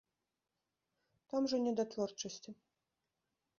Там ужо не да творчасці.